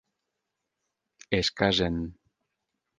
Es casen.